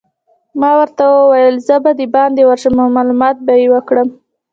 ما ورته وویل: زه به دباندې ورشم او معلومات به يې وکړم.